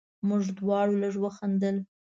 موږ دواړو لږ وخندل.